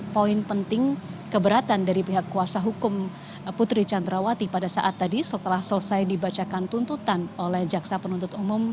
poin penting keberatan dari pihak kuasa hukum putri candrawati pada saat tadi setelah selesai dibacakan tuntutan oleh jaksa penuntut umum